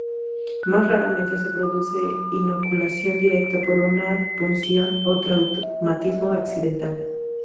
Más raramente se produce inoculación directa por una punción o traumatismo accidental.